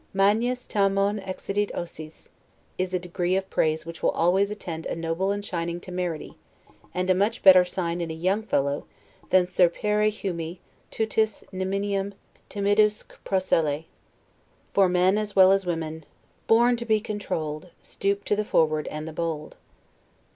'Magnis tamen excidit ausis' is a degree of praise which will always attend a noble and shining temerity, and a much better sign in a young fellow, than 'serpere humi, tutus nimium timidusque procellae'. For men as well as women: " born to be controlled, Stoop to the forward and the bold."